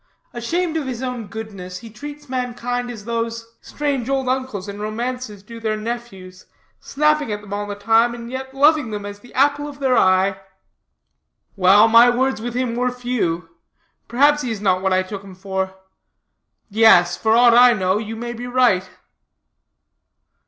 Ashamed of his own goodness, he treats mankind as those strange old uncles in romances do their nephews snapping at them all the time and yet loving them as the apple of their eye." "Well, my words with him were few. Perhaps he is not what I took him for. Yes, for aught I know, you may be right."